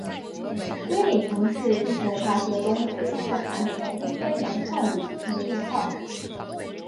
硅镁层是地球化学中指富含镁的硅酸盐矿物组成的地壳。